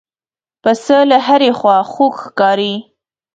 پسه له هرې خوا خوږ ښکاري.